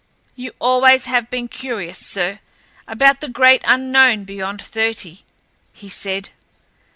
"You always have been curious, sir, about the great unknown beyond thirty," he said.